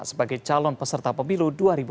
sebagai calon peserta pemilu dua ribu dua puluh